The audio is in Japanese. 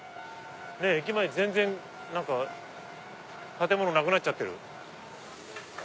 駅前全然建物なくなっちゃってる。